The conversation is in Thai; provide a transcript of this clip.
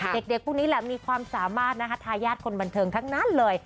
เด็กคู่นี้แหละมีความสามารถนะคะทายาทคนบันเทิงทั้งนั้นเลย